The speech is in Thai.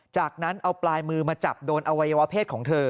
จากนั้นเอาปลายมือมาจับโดนอวัยวะเพศของเธอ